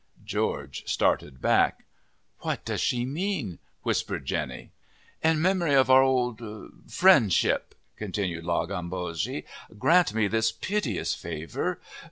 George started back. "What does she mean?" whispered Jenny. "In memory of our old friendship," continued La Gambogi, "grant me this piteous favour.